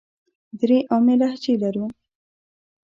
درې عامې لهجې لرو.